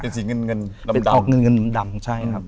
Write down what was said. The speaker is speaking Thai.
เป็นสีเงินเงินดำ